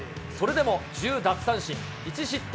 それでも１０奪三振１失点。